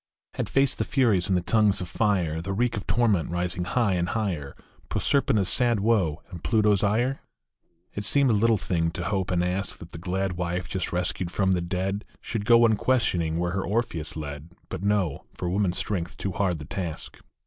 Had faced the Furies and the tongues of fire, The reek of torment, rising high and higher, Proserpina s sad woe and Pluto s ire ? It seemed a little thing to hope and ask That the glad wife, just rescued from the dead, Should go unquestioning where her Orpheus led. But no ; for woman s strength too hard the task.